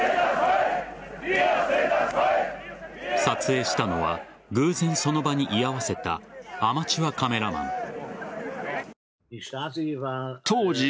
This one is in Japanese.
撮影したのは偶然その場に居合わせたアマチュアカメラマン。